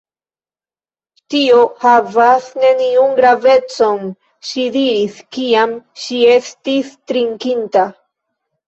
Tio havas neniun gravecon, ŝi diris, kiam ŝi estis trinkinta.